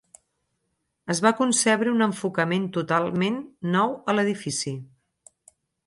Es va concebre un enfocament totalment nou a l'edifici.